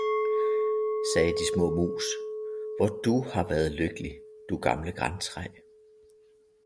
sagde de små mus, hvor du har været lykkelig, du gamle grantræ!